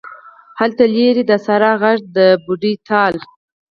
هلته لیرې د سارا غیږ د بوډۍ ټال